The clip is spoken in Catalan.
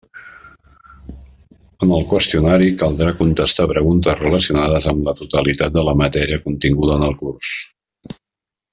En el qüestionari caldrà contestar preguntes relacionades amb la totalitat de la matèria continguda en el curs.